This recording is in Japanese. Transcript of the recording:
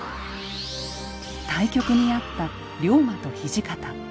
対極にあった竜馬と土方。